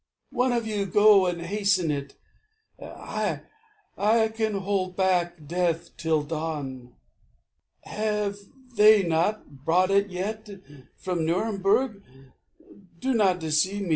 One of you go And hasten it. I can hold back Death till dawn. Have they not brought it yet? from Nuremberg. Do not deceive me.